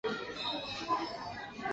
清朝雍正二年升格为直隶州。